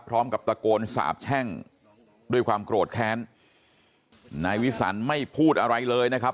พร้อมกับตะโกนสาบแช่งด้วยความโกรธแค้นนายวิสันไม่พูดอะไรเลยนะครับ